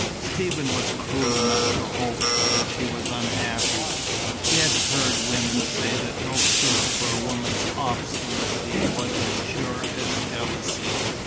Stephen was cruel enough to hope that she was unhappy. He had heard women say that no cure for a woman's obstinacy was as sure as jealousy.